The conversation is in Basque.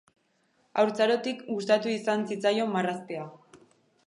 Haurtzarotik gustatu izan zitzaion marraztea.